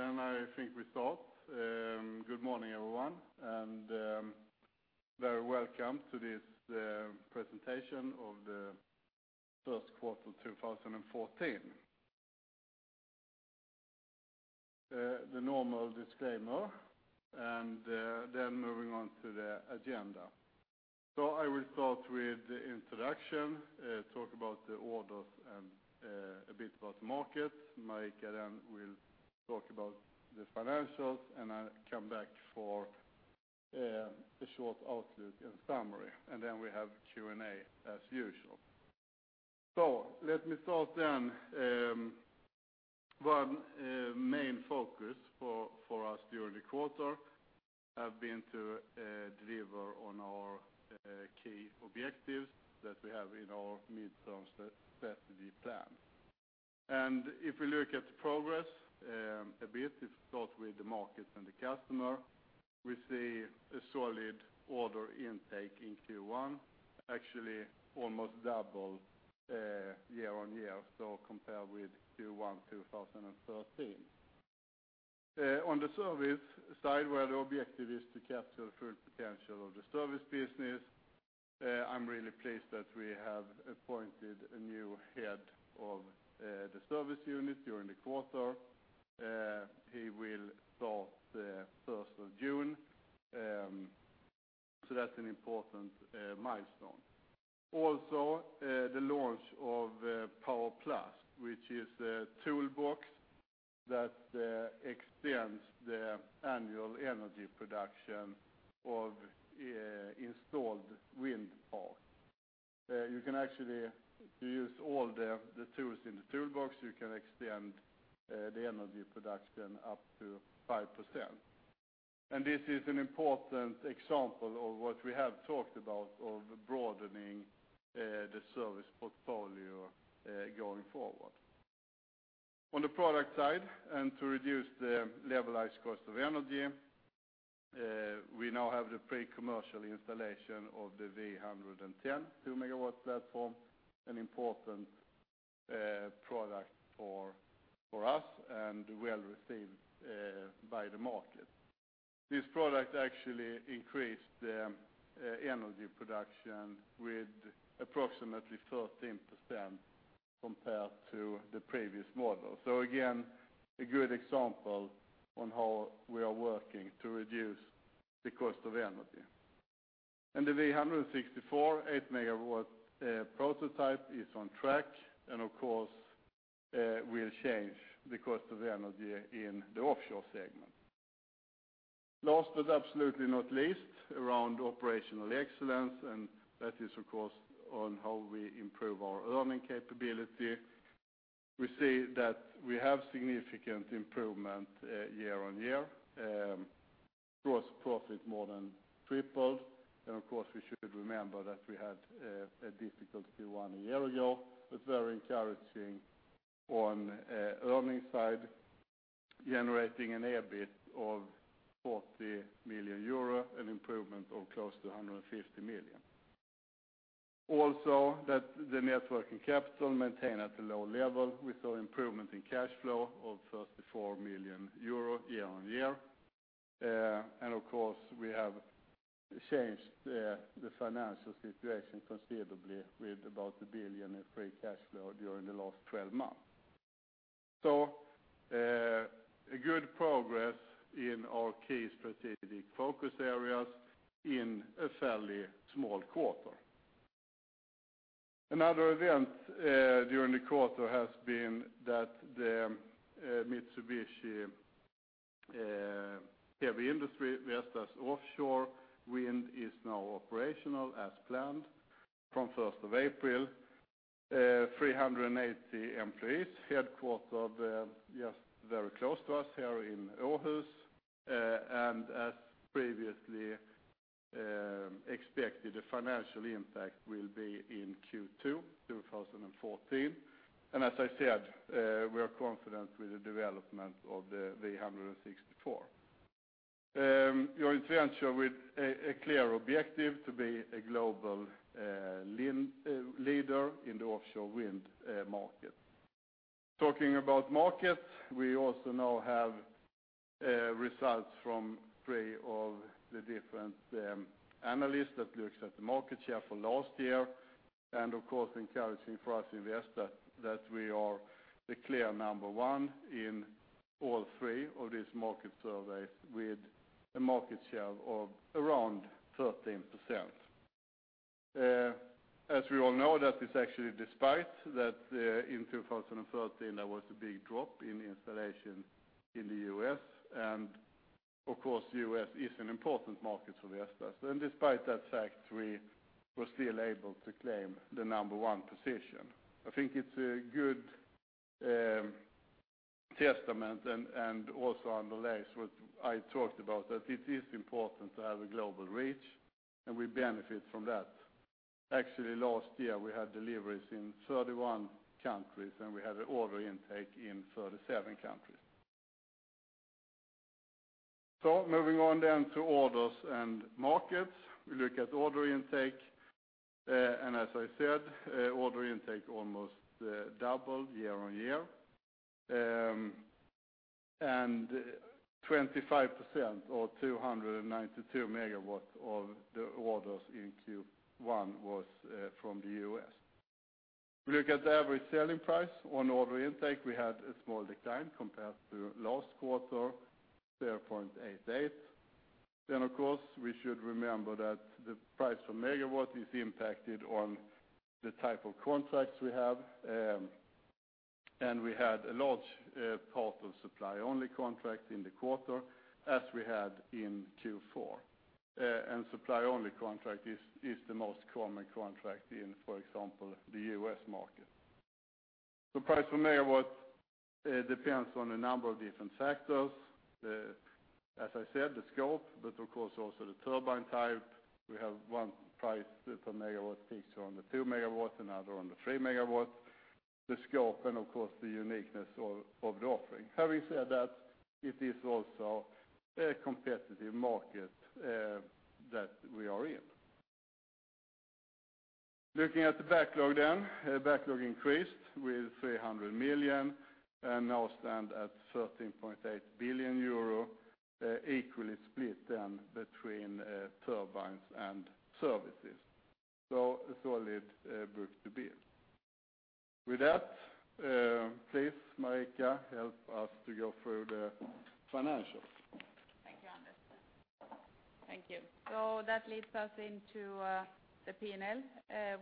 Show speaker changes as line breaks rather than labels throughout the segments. Well then I think we're sorted. Good morning everyone and very welcome to this presentation of the first quarter 2014. The normal disclaimer and then moving on to the agenda. So I will start with the introduction, talk about the orders and a bit about the markets. Marika then will talk about the financials and I come back for a short outlook and summary and then we have Q&A as usual. So let me start then. One main focus for us during the quarter have been to deliver on our key objectives that we have in our mid-term strategy plan. And if we look at the progress a bit, if we start with the markets and the customer we see a solid order intake in Q1 actually almost double year-on-year so compared with Q1 2013. On the service side where the objective is to capture the full potential of the service business, I'm really pleased that we have appointed a new head of the service unit during the quarter. He will start the first of June. So that's an important milestone. Also the launch of PowerPlus which is a toolbox that extends the annual energy production of installed wind parks. You can actually if you use all the tools in the toolbox you can extend the energy production up to 5%. And this is an important example of what we have talked about of broadening the service portfolio going forward. On the product side and to reduce the levelized cost of energy we now have the pre-commercial installation of the V110-2.0 MW platform an important product for us and well received by the market. This product actually increased the energy production with approximately 13% compared to the previous model. So again a good example on how we are working to reduce the cost of energy. And the V164-8.0 MW prototype is on track and of course will change the cost of energy in the offshore segment. Last but absolutely not least around operational excellence and that is of course on how we improve our earning capability. We see that we have significant improvement year-on-year. Gross profit more than tripled. And of course we should remember that we had a difficult Q1 a year ago. It's very encouraging on earning side generating an EBIT of 40 million euro an improvement of close to 150 million. Also that the net working capital maintained at a low level. We saw improvement in cash flow of 44 million euro year on year. Of course we have changed the financial situation considerably with about 1 billion in free cash flow during the last 12 months. So a good progress in our key strategic focus areas in a fairly small quarter. Another event during the quarter has been that the MHI Vestas Offshore Wind is now operational as planned from 1st of April. 380 employees headquartered, yes, very close to us here in Aarhus and as previously expected the financial impact will be in Q2 2014. And as I said we are confident with the development of the V164. Our adventure with a clear objective to be a global wind leader in the offshore wind market. Talking about markets, we also now have results from three of the different analysts that looks at the market share for last year. Of course encouraging for us investors that we are the clear number one in all three of these market surveys with a market share of around 13%. As we all know, that is actually despite that in 2013 there was a big drop in installation in the U.S. And of course the U.S. is an important market for Vestas. And despite that fact we were still able to claim the number one position. I think it's a good testament and also underlies what I talked about that it is important to have a global reach and we benefit from that. Actually last year we had deliveries in 31 countries and we had an order intake in 37 countries. So moving on then to orders and markets, we look at order intake, and as I said, order intake almost doubled year-on-year. 25% or 292 MW of the orders in Q1 was from the U.S. We look at the average selling price on order intake. We had a small decline compared to last quarter, 0.88. Then of course we should remember that the price per megawatt is impacted on the type of contracts we have. We had a large part of supply-only contracts in the quarter as we had in Q4. A supply-only contract is the most common contract in, for example, the U.S. market. The price per megawatt depends on a number of different factors. As I said, the scope but of course also the turbine type. We have one price per megawatt peaks on the 2 MW, another on the 3 MW. The scope and, of course, the uniqueness of the offering. Having said that, it is also a competitive market that we are in. Looking at the backlog, then, backlog increased with 300 million and now stands at 13.8 billion euro, equally split, then, between turbines and services. So a solid book to build. With that, please, Marika, help us to go through the financials.
Thank you, Anders. Thank you. So that leads us into the P&L,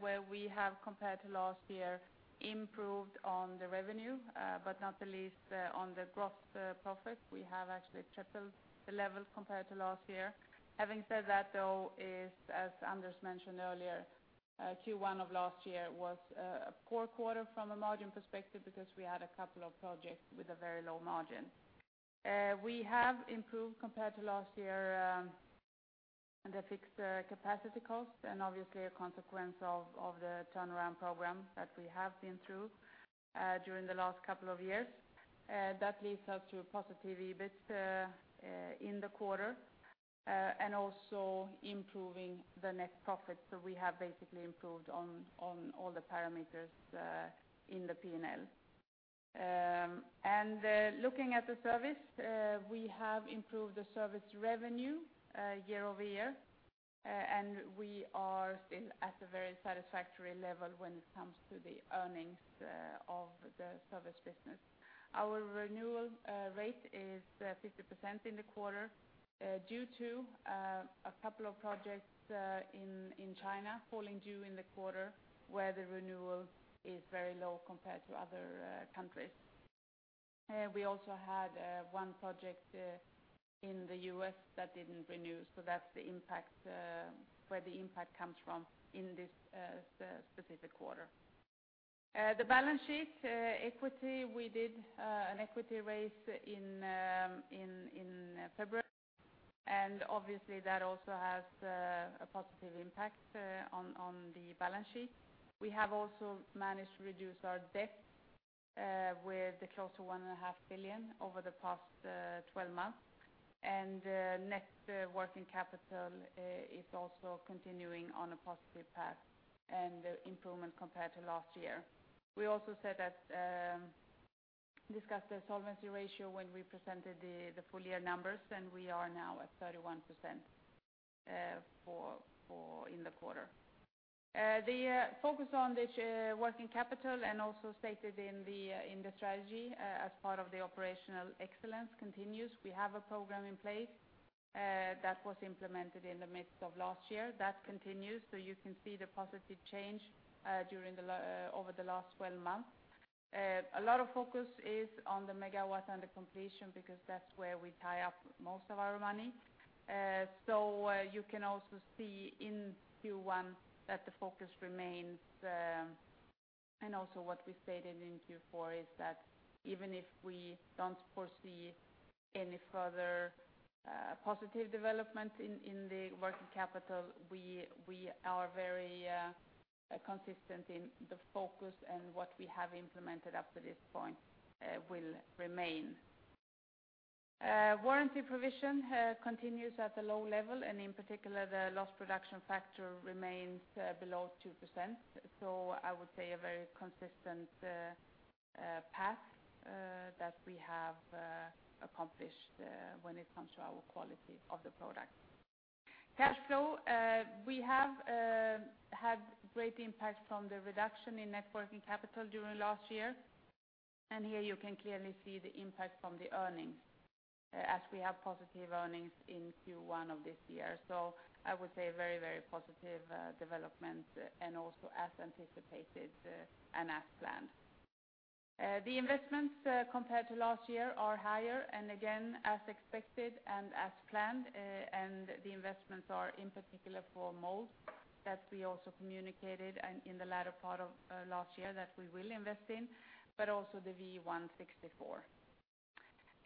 where we have compared to last year improved on the revenue but not the least on the gross profit. We have actually tripled the level compared to last year. Having said that though, as Anders mentioned earlier, Q1 of last year was a poor quarter from a margin perspective because we had a couple of projects with a very low margin. We have improved compared to last year the fixed capacity cost and obviously a consequence of the turnaround program that we have been through during the last couple of years. That leads us to a positive EBIT in the quarter and also improving the net profit. So we have basically improved on all the parameters in the P&L. And looking at the service, we have improved the service revenue year-over-year. We are still at a very satisfactory level when it comes to the earnings of the service business. Our renewal rate is 50% in the quarter due to a couple of projects in China falling due in the quarter where the renewal is very low compared to other countries. We also had one project in the U.S. that didn't renew so that's the impact where the impact comes from in this specific quarter. The balance sheet equity. We did an equity raise in February. Obviously that also has a positive impact on the balance sheet. We have also managed to reduce our debt with a close to 1.5 billion over the past twelve months. Net working capital is also continuing on a positive path and improvement compared to last year. We also said that we discussed the solvency ratio when we presented the full-year numbers and we are now at 31% for the quarter. The focus on the net working capital and also stated in the strategy as part of the operational excellence continues. We have a program in place that was implemented in the midst of last year that continues. So you can see the positive change during the last over the last 12 months. A lot of focus is on the megawatts and the completion because that's where we tie up most of our money. So you can also see in Q1 that the focus remains and also what we stated in Q4 is that even if we don't foresee any further positive development in the working capital we are very consistent in the focus and what we have implemented up to this point will remain. Warranty provision continues at a low level and in particular the lost production factor remains below 2%. So I would say a very consistent path that we have accomplished when it comes to our quality of the product. Cash flow we have had great impact from the reduction in net working capital during last year. Here you can clearly see the impact from the earnings as we have positive earnings in Q1 of this year. So I would say very very positive developments and also as anticipated and as planned. The investments compared to last year are higher and again as expected and as planned, and the investments are in particular for mold that we also communicated and in the latter part of last year that we will invest in but also the V164.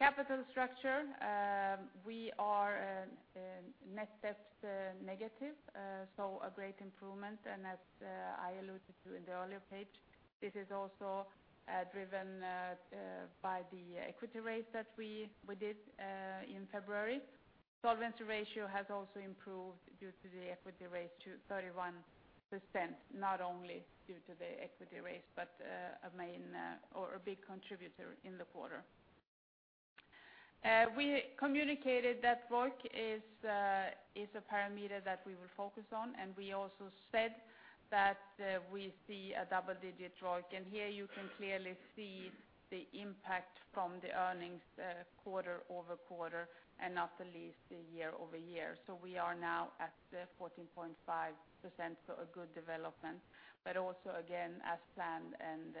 Capital structure: we are net debt negative, so a great improvement. As I alluded to in the earlier page, this is also driven by the equity raise that we did in February. Solvency ratio has also improved due to the equity raise to 31%, not only due to the equity raise but a main or a big contributor in the quarter. We communicated that ROIC is a parameter that we will focus on, and we also said that we see a double-digit ROIC. Here you can clearly see the impact from the earnings quarter-over-quarter and not least the year-over-year. So we are now at 14.5% so a good development but also again as planned and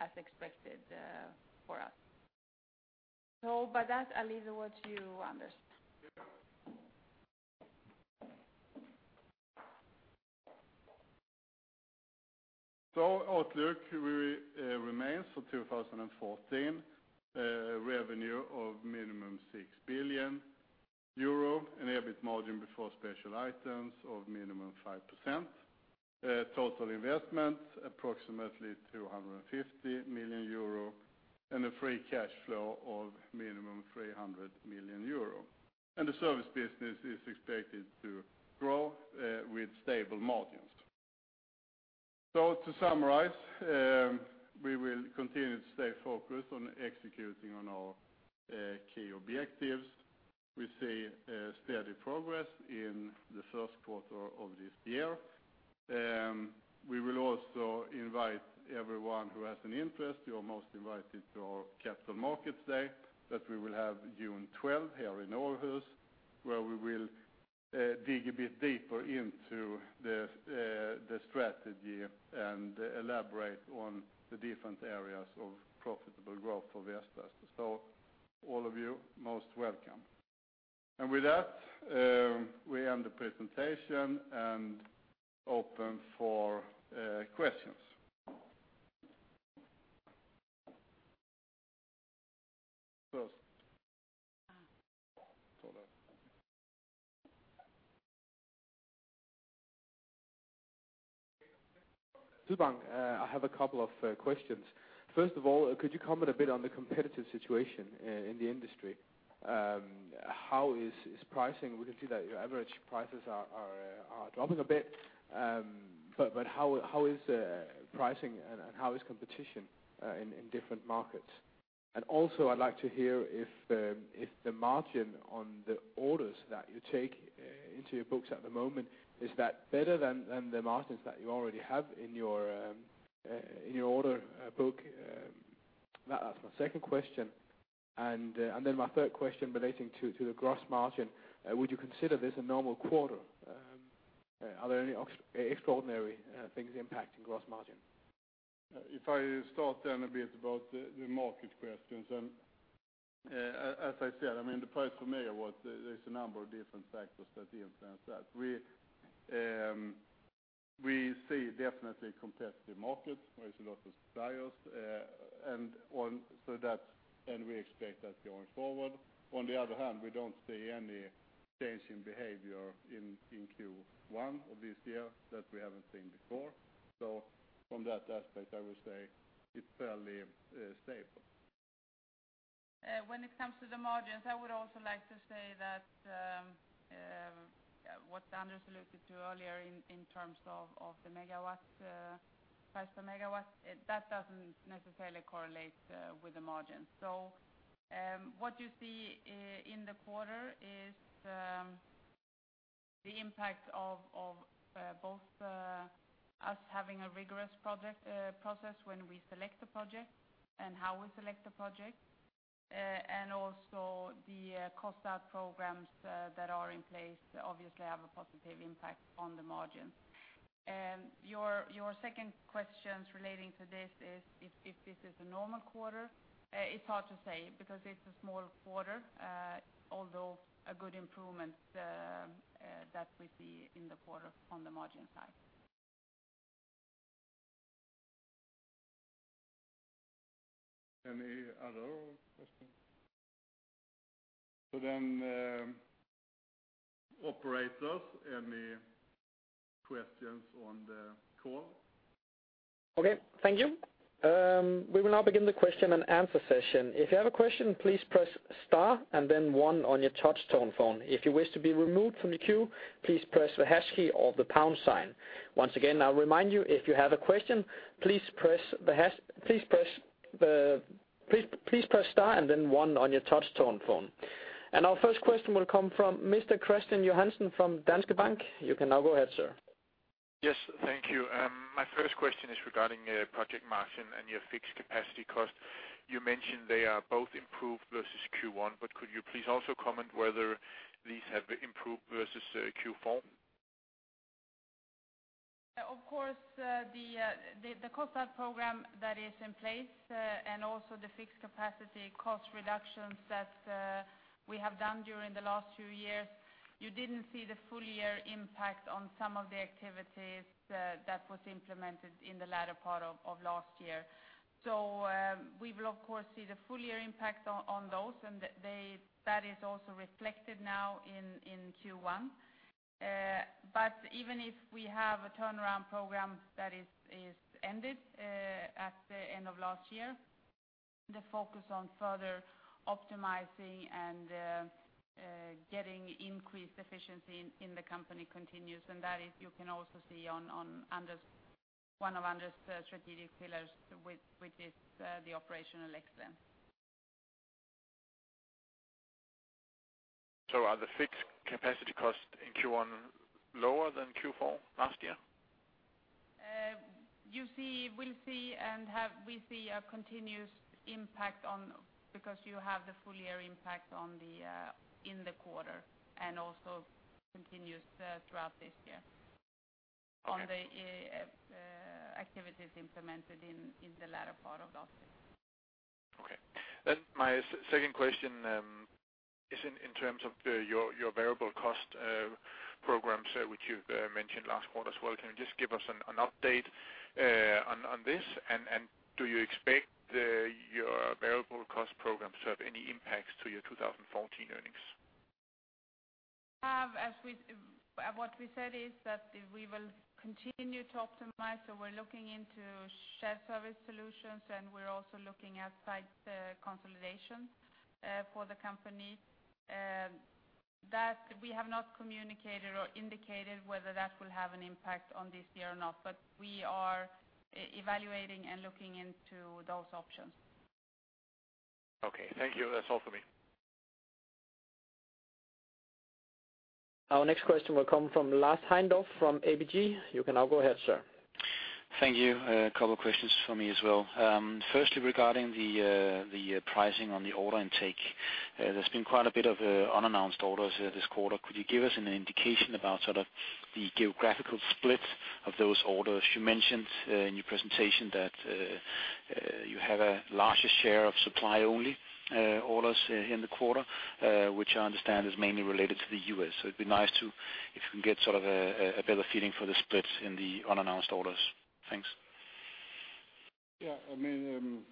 as expected for us. So by that I leave the word to you Anders.
Yeah. So, outlook, we remain for 2014: revenue of minimum 6 billion euro and an EBIT margin before special items of minimum 5%. Total investment approximately 250 million euro and a free cash flow of minimum 300 million euro. And the service business is expected to grow with stable margins. So, to summarize, we will continue to stay focused on executing on our key objectives. We see steady progress in the first quarter of this year. We will also invite everyone who has an interest. You are most invited to our Capital Markets Day that we will have June 12 here in Aarhus, where we will dig a bit deeper into the strategy and elaborate on the different areas of profitable growth for Vestas. So, all of you most welcome. And with that, we end the presentation and open for questions. First. Thought of.
Two things. I have a couple of questions. First of all, could you comment a bit on the competitive situation in the industry? How is pricing? We can see that your average prices are dropping a bit. But how is pricing and how is competition in different markets? And also, I'd like to hear if the margin on the orders that you take into your books at the moment is that better than the margins that you already have in your order book? That's my second question. And then my third question relating to the gross margin: would you consider this a normal quarter? Are there any extraordinary things impacting gross margin?
If I start then a bit about the market questions, then as I said, I mean, the price per megawatt, there's a number of different factors that influence that. We see definitely competitive markets where there's a lot of suppliers and so that's and we expect that going forward. On the other hand, we don't see any change in behavior in Q1 of this year that we haven't seen before. So from that aspect, I would say it's fairly stable.
When it comes to the margins, I would also like to say that what Anders alluded to earlier in terms of the megawatts price per megawatt, it doesn't necessarily correlate with the margins. So what you see in the quarter is the impact of both us having a rigorous project process when we select a project and how we select a project, and also the cost-out programs that are in place obviously have a positive impact on the margins. Your second questions relating to this is if this is a normal quarter? It's hard to say because it's a small quarter although a good improvement that we see in the quarter on the margin side.
Any other questions? So then operators any questions on the call?
Okay, thank you. We will now begin the question and answer session. If you have a question please press star and then one on your touch-tone phone. If you wish to be removed from the queue please press the hash key or the pound sign. Once again I'll remind you if you have a question please press star and then one on your touch-tone phone. Our first question will come from Mr. Kristian Johansen from Danske Bank. You can now go ahead sir.
Yes, thank you. My first question is regarding project margin and your fixed capacity cost. You mentioned they are both improved versus Q1, but could you please also comment whether these have improved versus Q4?
Of course, the cost-out program that is in place and also the fixed capacity cost reductions that we have done during the last few years. You didn't see the full year impact on some of the activities that was implemented in the latter part of last year. So we will of course see the full year impact on those and that is also reflected now in Q1. But even if we have a turnaround program that is ended at the end of last year, the focus on further optimizing and getting increased efficiency in the company continues. And that is, you can also see on Anders, one of Anders' strategic pillars, which is the operational excellence.
Are the fixed capacity costs in Q1 lower than Q4 last year?
You see, we'll see and have we see a continuous impact on because you have the full year impact on the in the quarter and also continuous throughout this year.
Okay.
On the activities implemented in the latter part of last year.
Okay. Then my second question is in terms of your variable cost programs which you've mentioned last quarter as well. Can you just give us an update on this? And do you expect your variable cost programs to have any impacts to your 2014 earnings?
As we said, what we said is that we will continue to optimize. So we're looking into shared service solutions and we're also looking at site consolidation for the company. That we have not communicated or indicated whether that will have an impact on this year or not, but we are evaluating and looking into those options.
Okay, thank you. That's all from me.
Our next question will come from Lars Heindorff from ABG. You can now go ahead sir.
Thank you. A couple questions from me as well. Firstly, regarding the pricing on the order intake, there's been quite a bit of unannounced orders this quarter. Could you give us an indication about sort of the geographical split of those orders? You mentioned in your presentation that you have a larger share of supply-only orders in the quarter, which I understand is mainly related to the U.S. So it'd be nice to if you can get sort of a better feeling for the split in the unannounced orders. Thanks.
Yeah, I mean,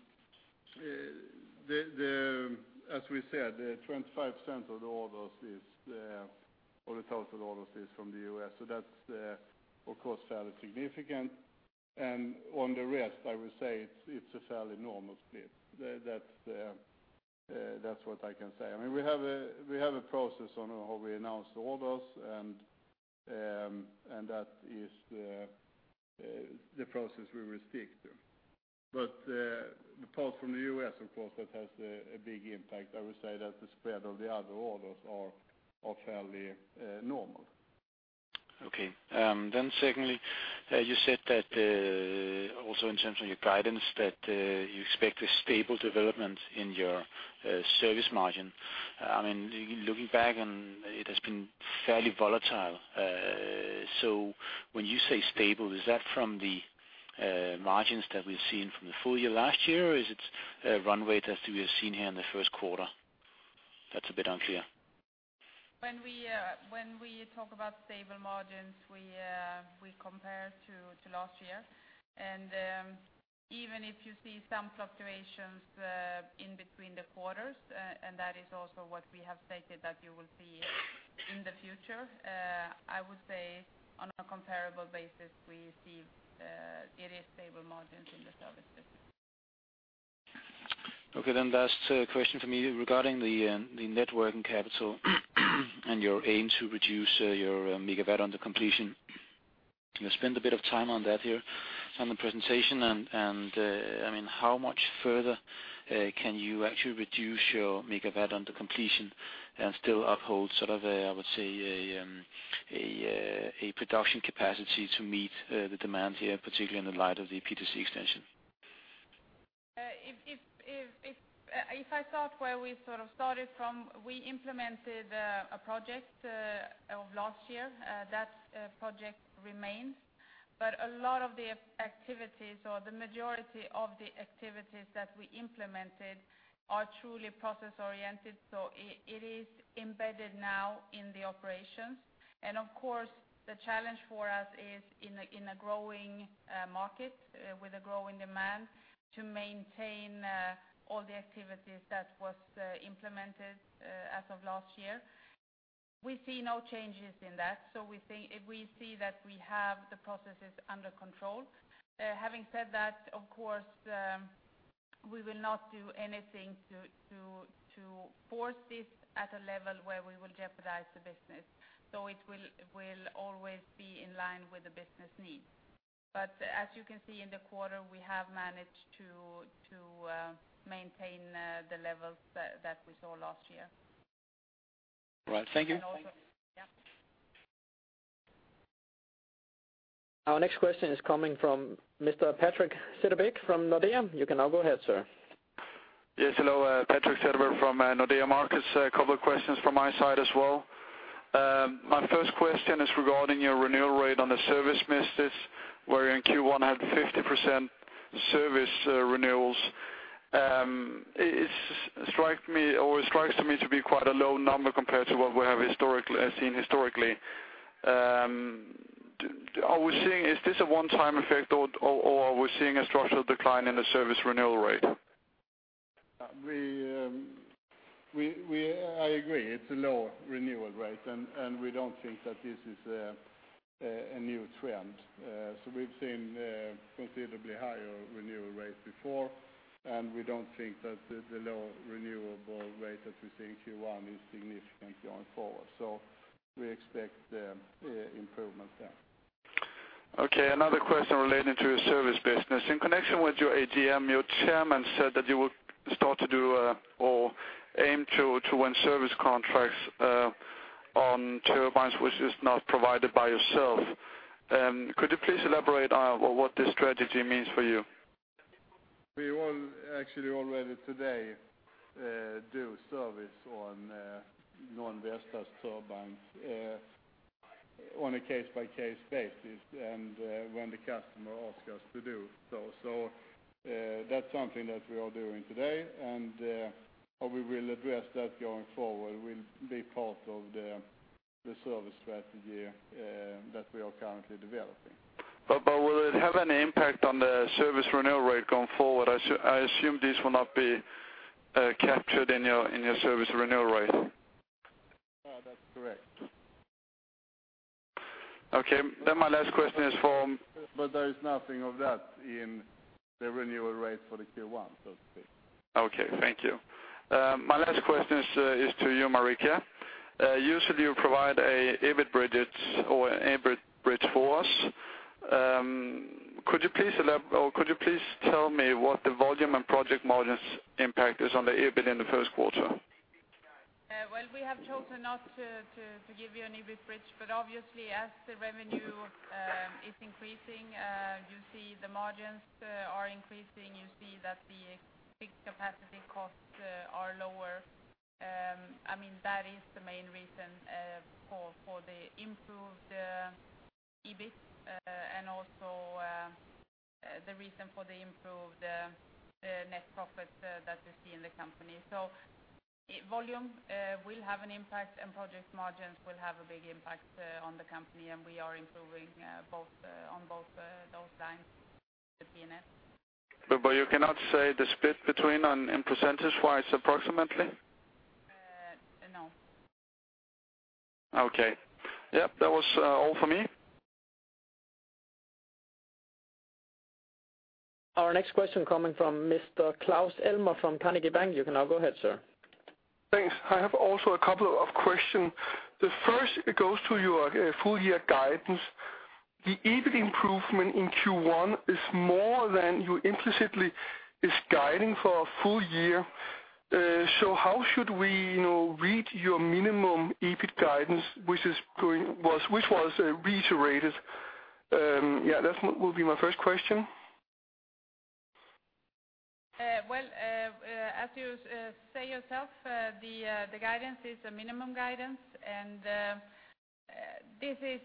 as we said, 25% of the orders is, or the 1,000 orders is from the U.S. So that's of course fairly significant. And on the rest I would say it's a fairly normal split. That's what I can say. I mean we have a process on how we announce the orders and that is the process we will stick to. But apart from the U.S. of course that has a big impact. I would say that the spread of the other orders are fairly normal.
Okay. Then secondly you said that also in terms of your guidance that you expect a stable development in your service margin. I mean looking back on it has been fairly volatile. So when you say stable is that from the margins that we've seen from the full year last year or is it run rates that we have seen here in the first quarter? That's a bit unclear.
When we talk about stable margins, we compare to last year. And even if you see some fluctuations in between the quarters, and that is also what we have stated that you will see in the future, I would say on a comparable basis we see it is stable margins in the service business.
Okay, then last question for me regarding the net working capital and your aim to reduce your megawatt under completion. You'll spend a bit of time on that here on the presentation. And I mean how much further can you actually reduce your megawatt under completion and still uphold sort of a—I would say—a production capacity to meet the demand here particularly in the light of the PTC extension?
I start where we sort of started from. We implemented a project of last year. That project remains. But a lot of the activities or the majority of the activities that we implemented are truly process-oriented. So it is embedded now in the operations. And of course the challenge for us is in a growing market with a growing demand to maintain all the activities that was implemented as of last year. We see no changes in that. So we think if we see that we have the processes under control. Having said that, of course we will not do anything to force this at a level where we will jeopardize the business. So it will always be in line with the business needs. But as you can see in the quarter, we have managed to maintain the levels that we saw last year.
Right, thank you.
And also yeah.
Our next question is coming from Mr. Patrik Setterberg from Nordea. You can now go ahead sir.
Yes, hello Patrik Setterberg from Nordea Markets. A couple questions from my side as well. My first question is regarding your renewal rate on the service business, where you're in Q1 had 50% service renewals. It strikes me or it strikes me to be quite a low number compared to what we have historically seen historically. Are we seeing is this a one-time effect or or or are we seeing a structural decline in the service renewal rate?
I agree it's a low renewal rate. And we don't think that this is a new trend. We've seen considerably higher renewal rates before. And we don't think that the low renewal rate that we see in Q1 is significant going forward. We expect improvements there.
Okay, another question relating to your service business. In connection with your AGM, your chairman said that you will start to do or aim to win service contracts on turbines which is not provided by yourself. Could you please elaborate on what this strategy means for you?
We all actually already today do service on non-Vestas turbines on a case-by-case basis and when the customer asks us to do so. So that's something that we are doing today. And or we will address that going forward. We'll be part of the service strategy that we are currently developing.
But will it have any impact on the service renewal rate going forward? I assume this will not be captured in your service renewal rate.
that's correct.
Okay, then my last question is from.
There is nothing of that in the renewal rate for the Q1 so to speak.
Okay, thank you. My last question is to you, Marika. Usually, you provide an EBIT bridge for us. Could you please elaborate or could you please tell me what the volume and project margins impact is on the EBIT in the first quarter?
Well, we have chosen not to give you an EBIT bridge. But obviously as the revenue is increasing you see the margins are increasing. You see that the fixed capacity costs are lower. I mean that is the main reason for the improved EBIT and also the reason for the improved net profits that we see in the company. So higher volume will have an impact and project margins will have a big impact on the company. And we are improving both on those lines with the P&L.
But you cannot say the split between on in percentage-wise approximately?
no.
Okay. Yep, that was all from me.
Our next question coming from Mr. Claus Almer from Carnegie Bank. You can now go ahead, sir.
Thanks. I have also a couple of questions. The first it goes to your full year guidance. The EBIT improvement in Q1 is more than you implicitly is guiding for a full year. So how should we, you know, read your minimum EBIT guidance which was reiterated? Yeah, that's my first question.
Well, as you say yourself, the guidance is a minimum guidance. This is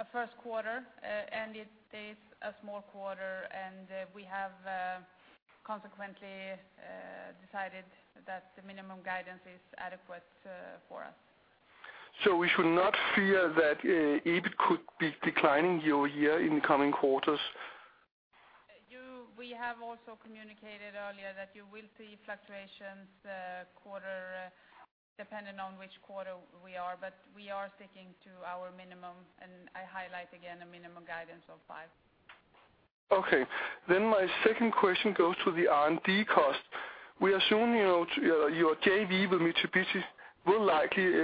a first quarter and it is a small quarter. We have consequently decided that the minimum guidance is adequate for us.
We should not fear that EBIT could be declining year-over-year in the coming quarters?
We have also communicated earlier that you will see fluctuations, quarter dependent on which quarter we are. But we are sticking to our minimum. I highlight again a minimum guidance of five.
Okay. Then my second question goes to the R&D cost. We assume you know that your JV with Mitsubishi will likely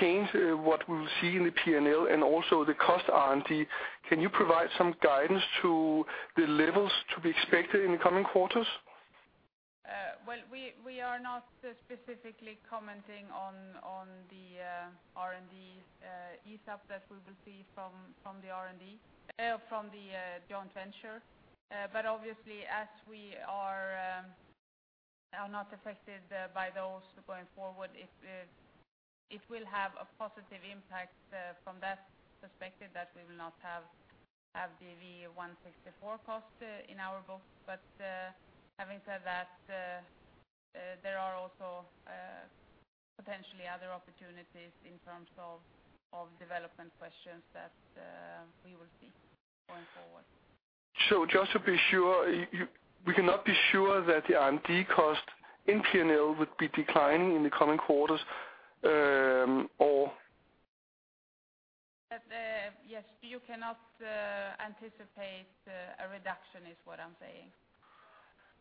change what we will see in the P&L and also the R&D costs. Can you provide some guidance to the levels to be expected in the coming quarters?
Well, we are not specifically commenting on the R&D spend that we will see from the R&D from the joint venture. But obviously as we are not affected by those going forward, it will have a positive impact from that perspective that we will not have the V164 cost in our books. But having said that, there are also potentially other opportunities in terms of development questions that we will see going forward.
So, just to be sure, we cannot be sure that the R&D cost in P&L would be declining in the coming quarters or?
That, yes, you cannot anticipate a reduction, is what I'm saying.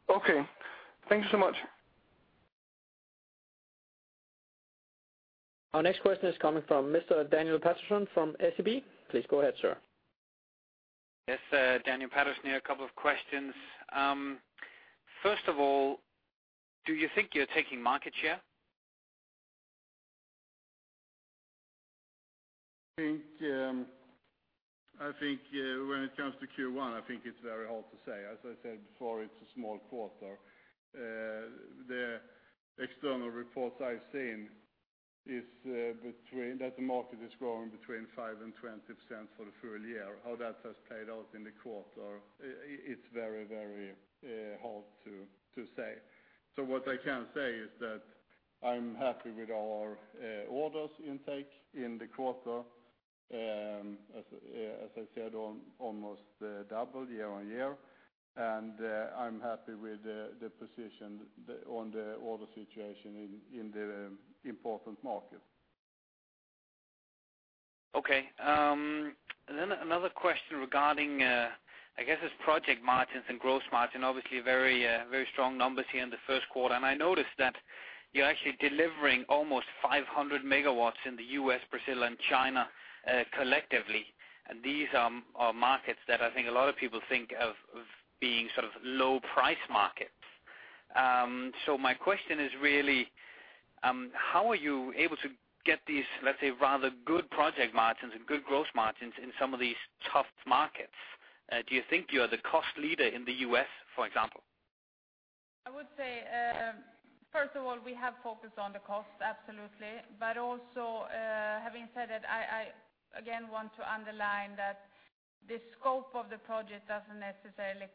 Okay. Thank you so much.
Our next question is coming from Mr. Daniel Patterson from SEB. Please go ahead sir.
Yes, Daniel Patterson here. A couple of questions. First of all, do you think you're taking market share?
I think when it comes to Q1 I think it's very hard to say. As I said before it's a small quarter. The external reports I've seen is between that the market is growing between 5%-20% for the full year. How that has played out in the quarter it's very very hard to say. So what I can say is that I'm happy with our orders intake in the quarter. As I said almost double year-on-year. And I'm happy with the position on the order situation in the important market.
Okay. Then another question regarding, I guess it's project margins and gross margin. Obviously very very strong numbers here in the first quarter. And I noticed that you're actually delivering almost 500 MW in the U.S., Brazil, and China collectively. And these are markets that I think a lot of people think of being sort of low price markets. So my question is really how are you able to get these, let's say, rather good project margins and good gross margins in some of these tough markets? Do you think you are the cost leader in the U.S. for example?
I would say first of all we have focused on the costs absolutely. But also having said that I again want to underline that the scope of the project doesn't necessarily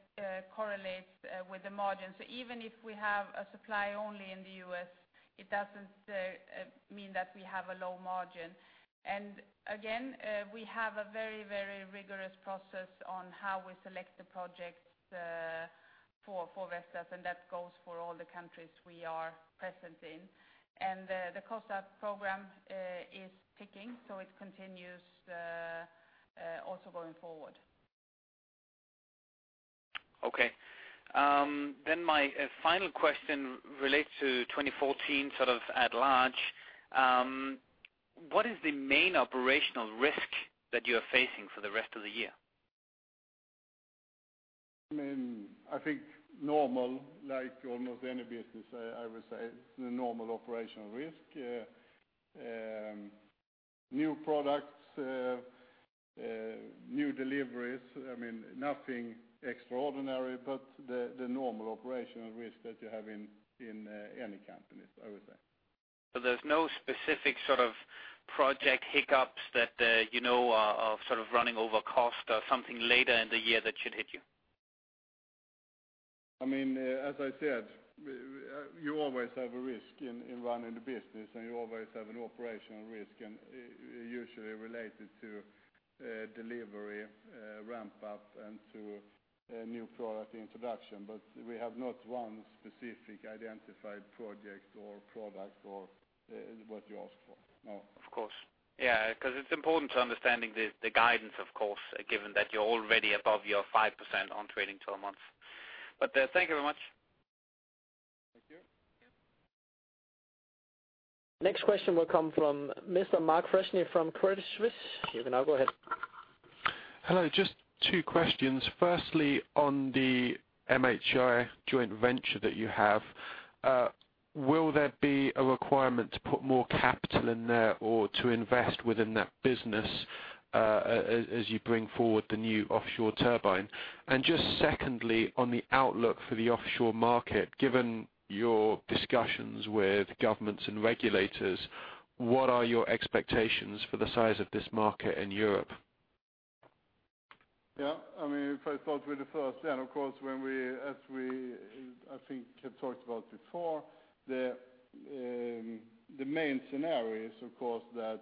correlate with the margin. So even if we have a supply only in the U.S. it doesn't mean that we have a low margin. And again we have a very very rigorous process on how we select the projects for Vestas. And that goes for all the countries we are present in. And the cost-out program is ticking. So it continues also going forward.
Okay. Then my final question relates to 2014 sort of at large. What is the main operational risk that you are facing for the rest of the year?
I mean, I think normal, like almost any business I would say. It's the normal operational risk. New products, new deliveries. I mean, nothing extraordinary, but the normal operational risk that you have in any companies I would say.
So there's no specific sort of project hiccups that you know are sort of running over cost or something later in the year that should hit you?
I mean, as I said, we, you always have a risk in running the business. And you always have an operational risk. And it's usually related to delivery ramp up and to new product introduction. But we have not one specific identified project or product or what you ask for. No.
Of course. Yeah, 'cause it's important to understanding the guidance, of course, given that you're already above your 5% on trading term once. But thank you very much.
Thank you.
Thank you.
Next question will come from Mr. Mark Freshney from Credit Suisse. You can now go ahead.
Hello, just two questions. Firstly, on the MHI joint venture that you have, will there be a requirement to put more capital in there or to invest within that business as you bring forward the new offshore turbine? And just secondly, on the outlook for the offshore market given your discussions with governments and regulators, what are your expectations for the size of this market in Europe?
Yeah, I mean, first off with the first yeah and of course when we as we I think have talked about before the main scenario is of course that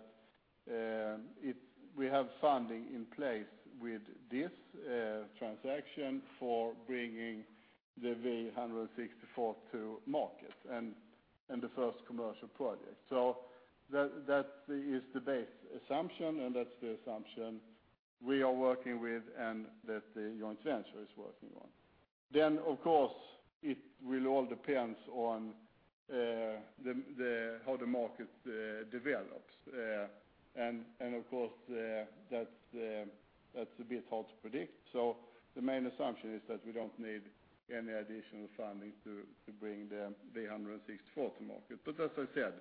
we have funding in place with this transaction for bringing the V164 to market. And the first commercial project. So that is the base assumption and that's the assumption we are working with and that the joint venture is working on. Then of course it will all depends on the how the market develops. and of course that's a bit hard to predict. So the main assumption is that we don't need any additional funding to bring the V164 to market. But as I said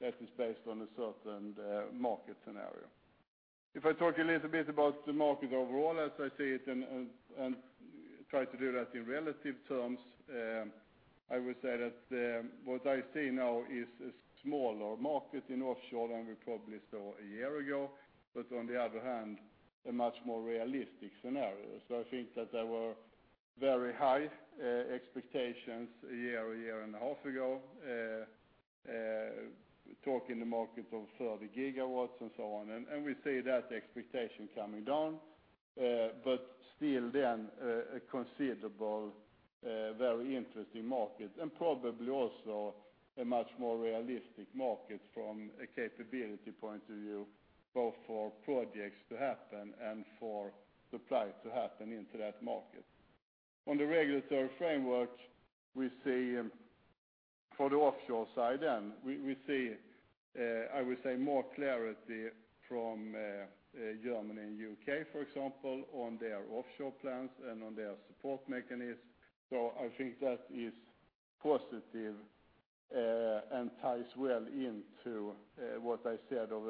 that is based on a certain market scenario. If I talk a little bit about the market overall as I see it and try to do that in relative terms, I would say that what I see now is a smaller market in offshore than we probably saw a year ago. But, on the other hand, a much more realistic scenario. So I think that there were very high expectations a year and a half ago, talking about the market of 30 GW and so on. And we see that expectation coming down, but still a considerable, very interesting market. And probably also a much more realistic market from a capability point of view both for projects to happen and for supply to happen into that market. On the regulatory framework we see for the offshore side, then we see, I would say, more clarity from Germany and U.K., for example, on their offshore plans and on their support mechanisms. So I think that is positive and ties well into what I said of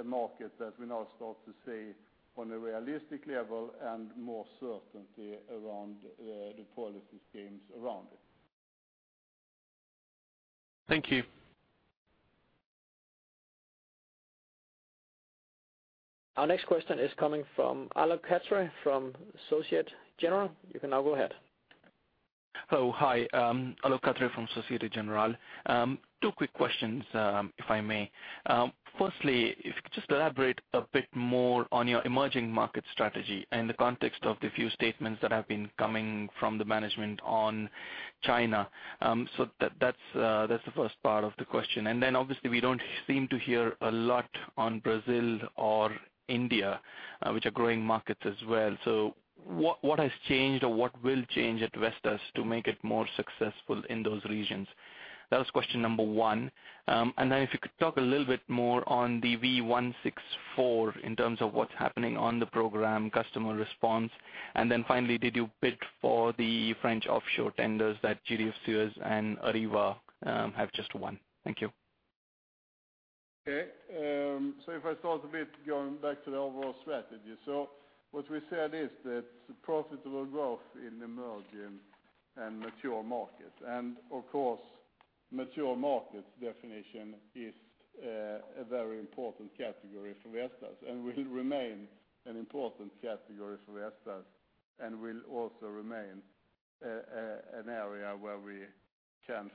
a market that we now start to see on a realistic level and more certainty around the policy schemes around it.
Thank you.
Our next question is coming from Alok Katre from Societe Generale. You can now go ahead.
Hello, hi. Alok Katre from Societe Generale. Two quick questions if I may. Firstly, if you could just elaborate a bit more on your emerging market strategy in the context of the few statements that have been coming from the management on China. So that's the first part of the question. And then obviously we don't seem to hear a lot on Brazil or India which are growing markets as well. So what has changed or what will change at Vestas to make it more successful in those regions? That was question number one. And then if you could talk a little bit more on the V164 in terms of what's happening on the program, customer response. And then finally, did you bid for the French offshore tenders that GDF Suez and Areva have just won? Thank you.
Okay. So if I start a bit going back to the overall strategy. So what we said is that profitable growth in emerging and mature markets. And of course mature markets definition is a very important category for Vestas. And will remain an important category for Vestas. And will also remain an area where we can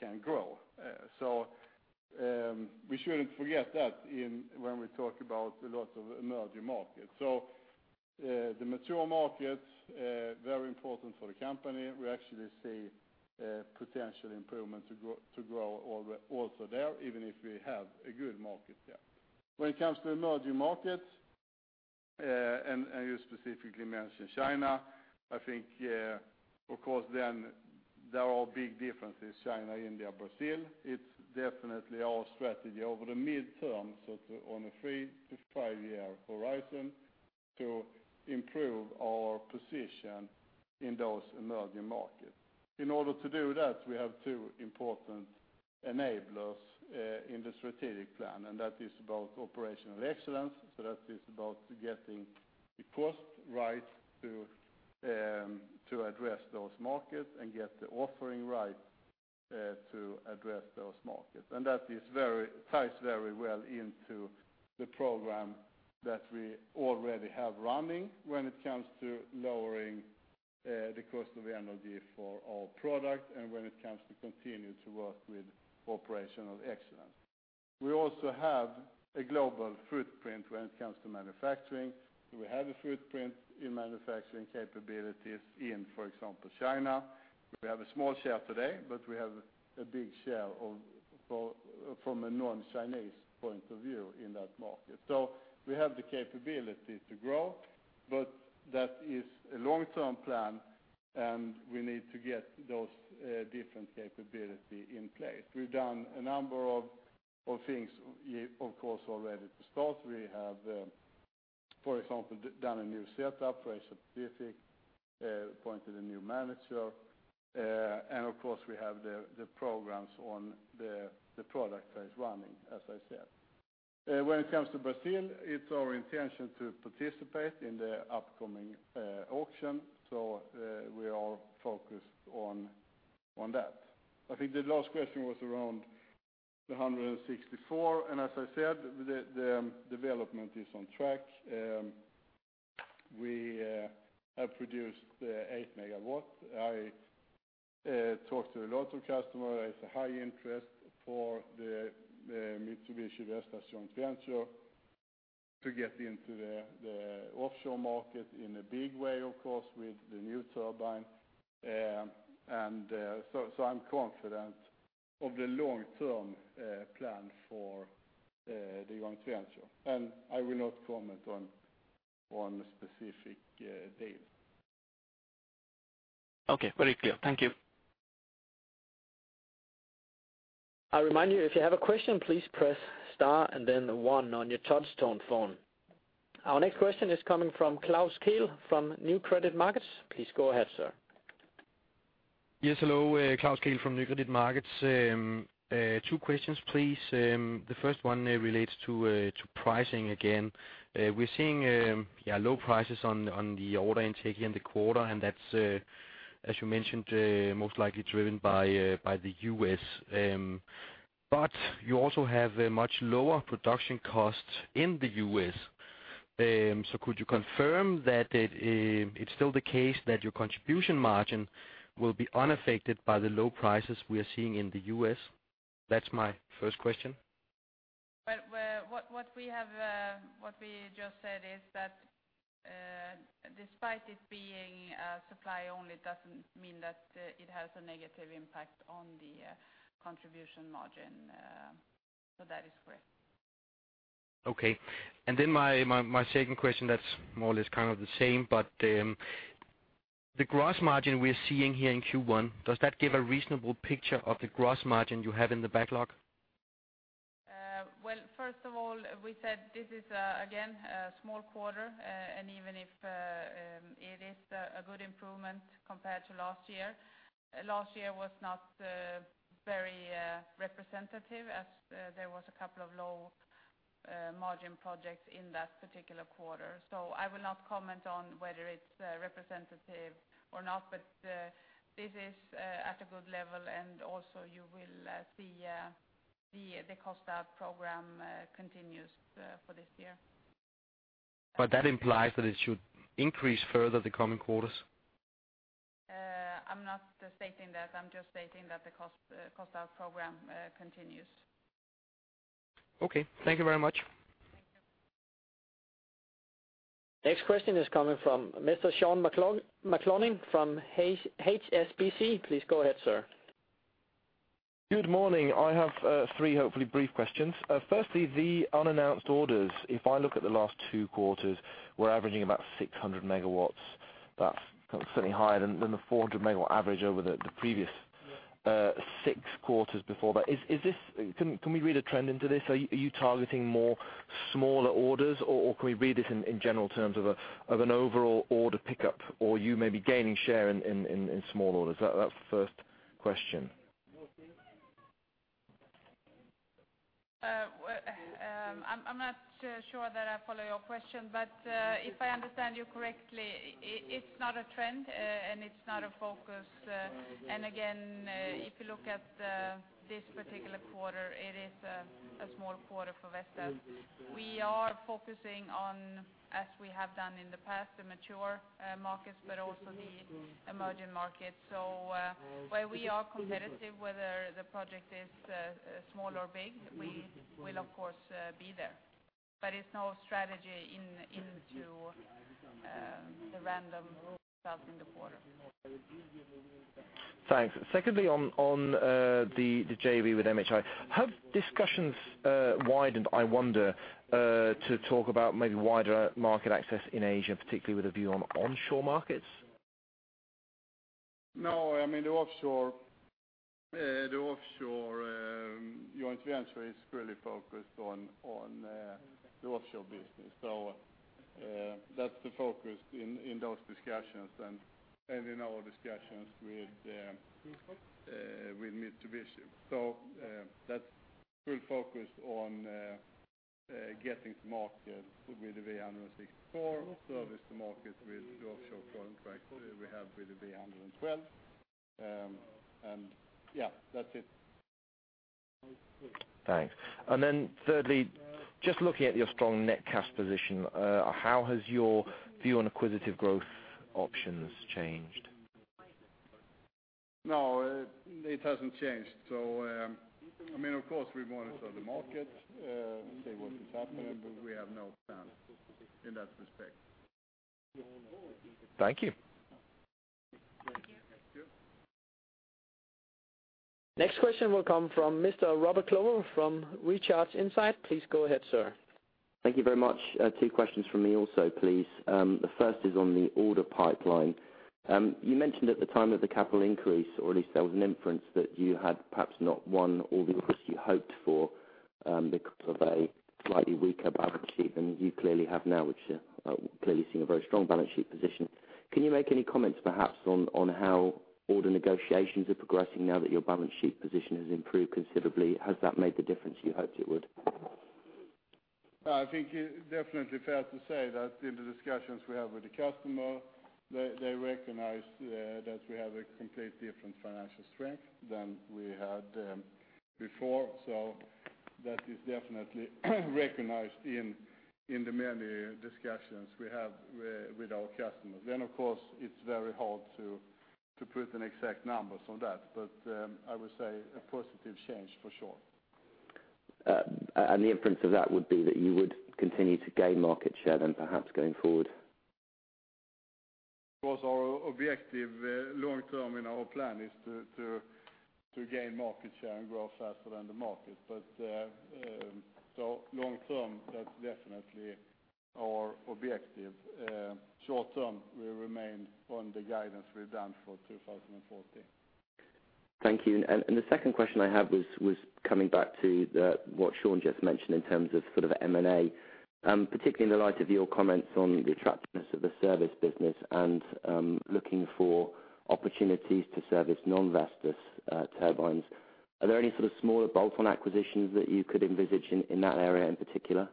can grow. So we shouldn't forget that in when we talk about a lot of emerging markets. So the mature markets very important for the company. We actually see potential improvement to grow to grow all the also there even if we have a good market there. When it comes to emerging markets and you specifically mentioned China I think of course then there are big differences. China, India, Brazil. It's definitely our strategy over the mid-term, so to on a three to five year horizon to improve our position in those emerging markets. In order to do that, we have two important enablers in the strategic plan. And that is about operational excellence. So that is about getting the cost right to to address those markets and get the offering right to address those markets. And that ties very well into the program that we already have running when it comes to lowering the cost of energy for our product and when it comes to continue to work with operational excellence. We also have a global footprint when it comes to manufacturing. So we have a footprint in manufacturing capabilities in, for example, China. We have a small share today, but we have a big share of for from a non-Chinese point of view in that market. So we have the capability to grow but that is a long-term plan. And we need to get those different capability in place. We've done a number of things you of course already to start. We have for example done a new setup for Asia Pacific, appointed a new manager, and of course we have the programs on the product that is running as I said. When it comes to Brazil it's our intention to participate in the upcoming auction. So we are focused on that. I think the last question was around the 164. And as I said the development is on track. We have produced 8 MW. I talked to a lot of customers. There's a high interest for the Mitsubishi Vestas joint venture to get into the offshore market in a big way of course with the new turbine. And so I'm confident of the long-term plan for the joint venture. I will not comment on specific deals.
Okay, very clear. Thank you.
I'll remind you, if you have a question, please press star and then one on your touch-tone phone. Our next question is coming from Klaus Kehl from Nykredit Markets. Please go ahead, sir.
Yes, hello, Klaus Kehl from Nykredit Markets. Two questions, please. The first one relates to pricing again. We're seeing yeah low prices on the order intake here in the quarter, and that's as you mentioned most likely driven by the U.S. But you also have a much lower production cost in the U.S. So could you confirm that it's still the case that your contribution margin will be unaffected by the low prices we are seeing in the U.S.? That's my first question.
Well, what we just said is that despite it being supply only, it doesn't mean that it has a negative impact on the contribution margin. So that is correct.
Okay. And then my second question that's more or less kind of the same but the gross margin we're seeing here in Q1 does that give a reasonable picture of the gross margin you have in the backlog?
Well, first of all, we said this is again a small quarter. Even if it is a good improvement compared to last year, last year was not very representative as there was a couple of low margin projects in that particular quarter. So I will not comment on whether it's representative or not, but this is at a good level, and also you will see the cost out program continues for this year.
But that implies that it should increase further the coming quarters?
I'm not stating that. I'm just stating that the cost out program continues.
Okay, thank you very much.
Thank you.
Next question is coming from Mr. Sean McLoughlin from HSBC. Please go ahead, sir.
Good morning. I have three hopefully brief questions. Firstly, the unannounced orders. If I look at the last two quarters, we're averaging about 600 MW. That's consistently higher than the 400 MW average over the previous six quarters before that. Is this—can we read a trend into this? Are you targeting more smaller orders or can we read this in general terms of an overall order pickup or you maybe gaining share in small orders? That's the first question.
Well, I'm not sure that I follow your question, but if I understand you correctly, it's not a trend and it's not a focus. Again, if you look at this particular quarter, it is a small quarter for Vestas. We are focusing on, as we have done in the past, the mature markets but also the emerging markets. So where we are competitive, whether the project is small or big, we will of course be there. But it's no strategy into the random results in the quarter.
Thanks. Secondly, on the JV with MHI, have discussions widened? I wonder to talk about maybe wider market access in Asia, particularly with a view on onshore markets?
No, I mean the offshore joint venture is really focused on the offshore business. So that's the focus in those discussions and in our discussions with Mitsubishi. So that's full focus on getting to market with the V164. Service the market with the offshore contract we have with the V112. And yeah, that's it.
Thanks. And then thirdly just looking at your strong net cash position how has your view on acquisitive growth options changed?
No, it hasn't changed. So, I mean, of course we monitor the markets, see what is happening, but we have no plans in that respect.
Thank you.
Thank you.
Thank you.
Next question will come from Mr. Robert Clover from Recharge Insight. Please go ahead sir.
Thank you very much. Two questions from me also, please. The first is on the order pipeline. You mentioned at the time of the capital increase or at least there was an inference that you had perhaps not won all the orders you hoped for because of a slightly weaker balance sheet than you clearly have now, which we clearly see as a very strong balance sheet position. Can you make any comments, perhaps, on how order negotiations are progressing now that your balance sheet position has improved considerably? Has that made the difference you hoped it would?
Well, I think it's definitely fair to say that in the discussions we have with the customer, they recognize that we have a completely different financial strength than we had before. So that is definitely recognized in the many discussions we have with our customers. Then, of course, it's very hard to put an exact number on that, but I would say a positive change for sure.
The inference of that would be that you would continue to gain market share then perhaps going forward?
Of course our objective long-term in our plan is to gain market share and grow faster than the market. But so long-term that's definitely our objective. Short-term we remain on the guidance we've done for 2014.
Thank you. And the second question I have was coming back to what Sean just mentioned in terms of sort of M&A, particularly in the light of your comments on the attractiveness of the service business and looking for opportunities to service non-Vestas turbines. Are there any sort of smaller bolt-on acquisitions that you could envisage in that area in particular?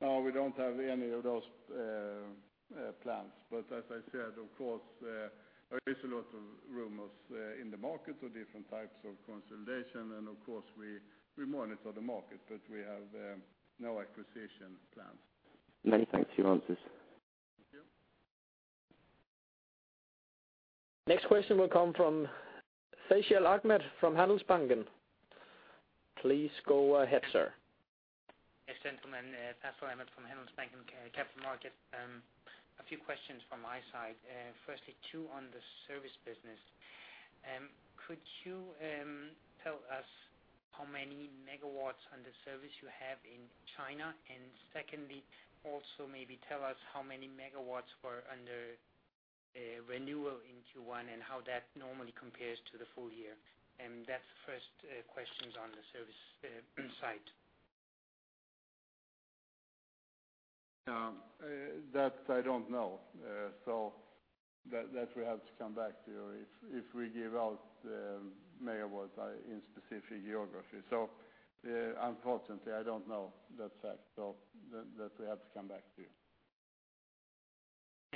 No, we don't have any of those plans. But as I said, of course there is a lot of rumors in the markets of different types of consolidation. And of course we monitor the market, but we have no acquisition plans.
Many thanks for your answers.
Thank you.
Next question will come from Fasial Ahmad from Handelsbanken. Please go ahead, sir.
Yes, gentlemen. Faisal Ahmad from Handelsbanken Capital Markets. A few questions from my side. First, two on the service business. Could you tell us how many megawatts on the service you have in China? And secondly also maybe tell us how many megawatts were under renewal in Q1 and how that normally compares to the full year. That's the first questions on the service side.
That I don't know. So that we have to come back to you if we give out megawatts in specific geography. So unfortunately I don't know that fact. So that we have to come back to you.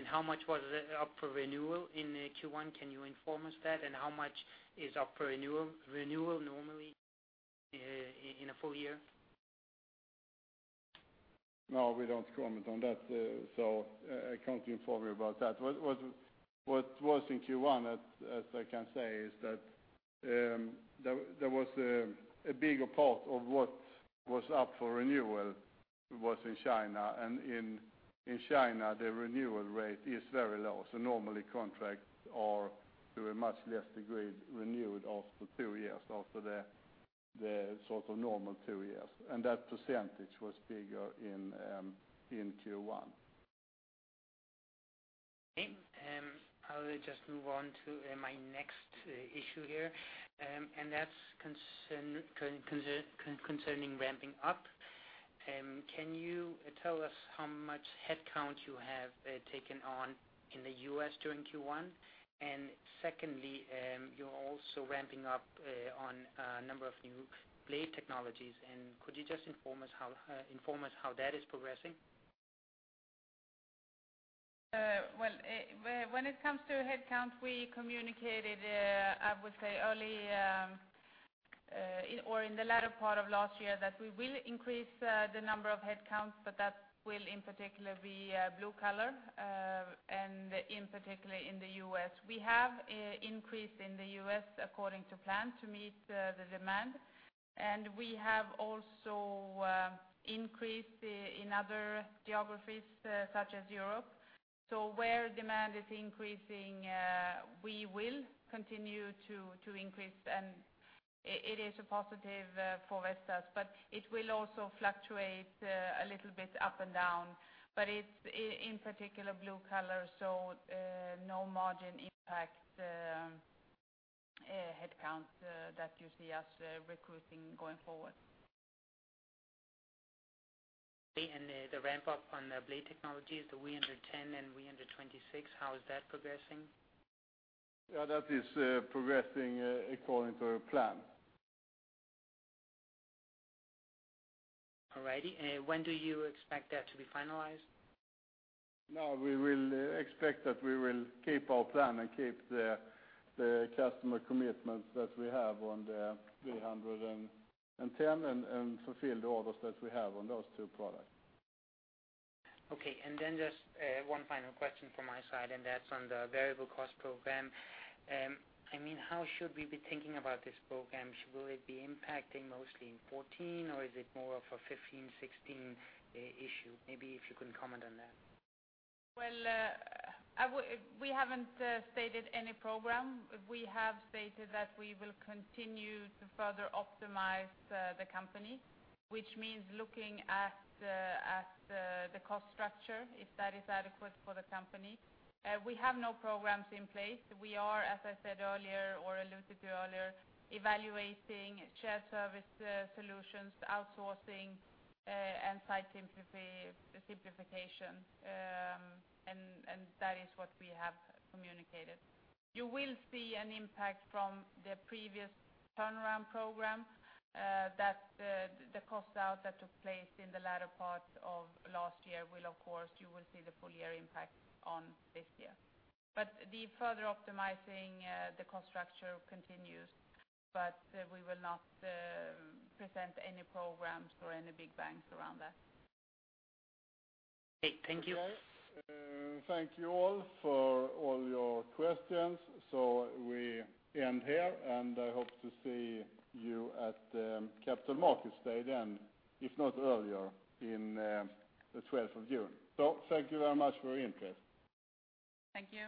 How much was the order renewal in Q1? Can you inform us that? How much is order renewal normally in a full year?
No, we don't comment on that, so I can't inform you about that. What was in Q1, as I can say, is that there was a bigger part of what was up for renewal was in China. And in China the renewal rate is very low. So normally contracts are to a much less degree renewed after two years after the sort of normal two years. And that percentage was bigger in Q1.
Okay. I'll just move on to my next issue here. That's concerning ramping up. Can you tell us how much headcount you have taken on in the U.S. during Q1? And secondly you're also ramping up on a number of new blade technologies. And could you just inform us how that is progressing?
Well, when it comes to headcount, we communicated, I would say, early in or in the latter part of last year, that we will increase the number of headcounts. But that will in particular be blue-collar, and in particular in the U.S. We have an increase in the U.S. according to plan to meet the demand. And we have also increased in other geographies such as Europe. So where demand is increasing, we will continue to increase. And it is a positive for Vestas. But it will also fluctuate a little bit up and down. But it's in particular blue-collar. So no margin impact headcounts that you see us recruiting going forward.
The ramp up on the blade technologies, the V110 and V126, how is that progressing?
Well, that is progressing according to our plan.
All righty. When do you expect that to be finalized?
No, we will expect that we will keep our plan and keep the customer commitments that we have on the V110 and fulfill the orders that we have on those two products.
Okay. Then just one final question from my side and that's on the variable cost program. I mean how should we be thinking about this program? Will it be impacting mostly in 2014 or is it more of a 2015-2016 issue? Maybe if you can comment on that.
Well, I would—we haven't stated any program. We have stated that we will continue to further optimize the company, which means looking at the cost structure if that is adequate for the company. We have no programs in place. We are, as I said earlier or alluded to earlier, evaluating shared service solutions, outsourcing, and site simplification. And that is what we have communicated. You will see an impact from the previous turnaround program. That the cost out that took place in the latter part of last year will, of course, you will see the full year impact on this year. But the further optimizing the cost structure continues. But we will not present any programs or any big bangs around that.
Okay thank you.
All right. Thank you all for all your questions. We end here and I hope to see you at the Capital Markets Day then, if not earlier, in the 12th of June. Thank you very much for your interest.
Thank you.